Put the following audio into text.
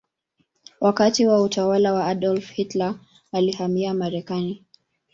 Wakati wa utawala wa Adolf Hitler alihamia Marekani.